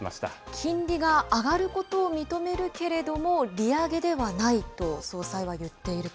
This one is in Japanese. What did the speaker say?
金利が上がることを認めるけれども、利上げではないと、総裁は言っていると。